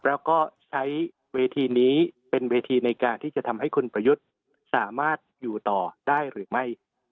แล้วก็ใช้เวทีนี้เป็นเวทีในการที่จะทำให้คุณประยุทธ์สามารถอยู่ต่อได้หรือไม่